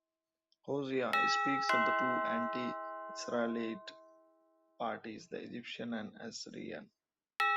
Hosea speaks of the two anti-Israelite parties, the Egyptian and Assyrian.